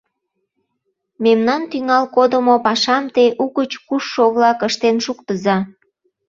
Мемнан тӱҥал кодымо пашам те, угыч кушшо-влак, ыштен шуктыза!